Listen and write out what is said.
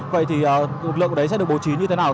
vậy thì lực lượng đấy sẽ được bố trí như thế nào